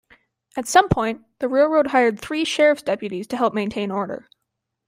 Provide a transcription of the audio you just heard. At some point, the railroad hired three sheriff's deputies to help maintain order.